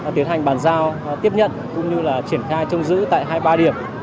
tiến hành bàn giao tiếp nhận cũng như là triển khai trông giữ tại hai mươi ba điểm